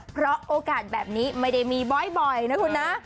เพราะโอกาสแบบนี้ไม่ได้มีบ่อยนะคุณนะ